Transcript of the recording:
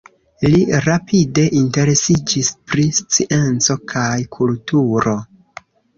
Li rapide interesiĝis pri scienco kaj kulturo.